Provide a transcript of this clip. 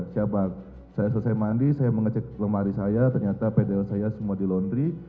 siap bang saya selesai mandi saya mengecek lemari saya ternyata pdl saya semua dilondri